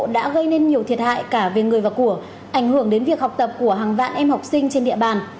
đã gây nên nhiều thiệt hại cả về người và của ảnh hưởng đến việc học tập của hàng vạn em học sinh trên địa bàn